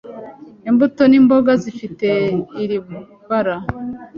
Imbuto n’imboga zifite iri bara,